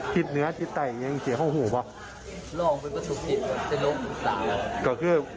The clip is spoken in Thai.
สีส้กชีวิตแต่ยังเขียงพื้นหรอ